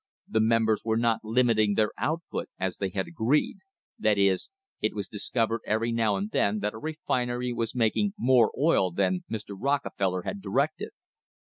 The members were not limiting their output as they had agreed — that is, it was dis covered every now and therrthat a refinery was making more oil than Mr. Rockefeller had directed.